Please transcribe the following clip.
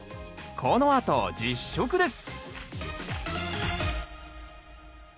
このあと実食です